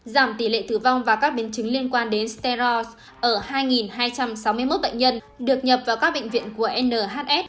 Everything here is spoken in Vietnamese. giảm tỷ lệ tử vong và các biến chứng liên quan đến sterres ở hai hai trăm sáu mươi một bệnh nhân được nhập vào các bệnh viện của nhs